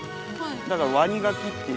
だからワニガキっていう。